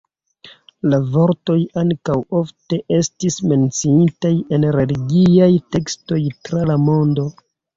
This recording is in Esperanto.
La vortoj ankaŭ ofte estis menciitaj en religiaj tekstoj tra la mondo.